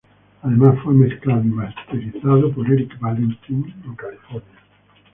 Además, fue mezclado y masterizado por Eric Valentine en California.